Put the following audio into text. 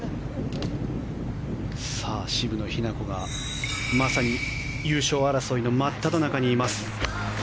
渋野日向子がまさに優勝争いの真っただ中にいます。